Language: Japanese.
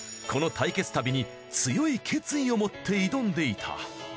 この「対決旅」に強い決意を持って挑んでいた。